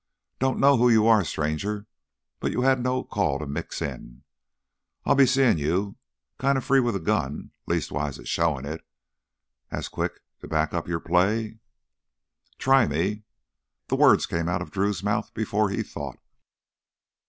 "Don't know who you are, stranger, but you had no call to mix in. I'll be seein' you. Kinda free with a gun, leastwise at showin' it. As quick to back up your play?" "Try me!" The words came out of Drew before he thought.